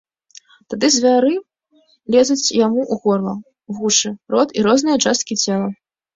Тады звяры лезуць яму ў горла, вушы, рот і розныя часткі цела.